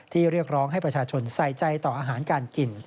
เรียกร้องให้ประชาชนใส่ใจต่ออาหารการกิน